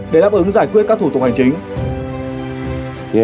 để đáp ứng giải quyết các thủ tục hành chính